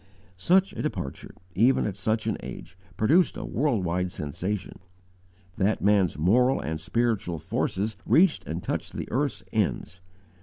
Such a departure, even at such an age, produced a worldwide sensation. That man's moral and spiritual forces reached and touched the earth's ends.